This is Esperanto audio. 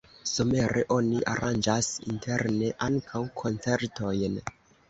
Somere oni aranĝas interne ankaŭ koncertojn.